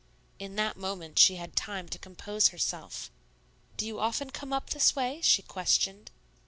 In that moment she had time to compose herself. "Do you often come up this way?" she questioned.